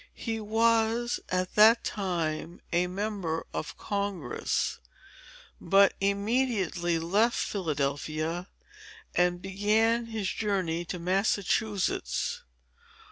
He was, at that time, a member of Congress, but immediately left Philadelphia, and began his journey to Massachusetts.